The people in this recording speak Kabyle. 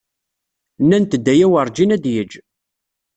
Nnant-d aya werǧin ad yeǧǧ.